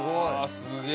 すげえ。